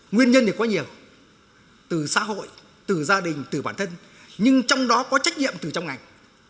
nguyên nhân thì có nhiều từ xã hội từ gia đình từ bản thân nhưng trong đó có trách nhiệm từ trong ngành